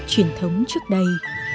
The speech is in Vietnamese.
truyền thống trước đây